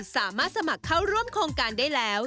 สามารถสมัครเข้าร่วมโครงการได้แล้ว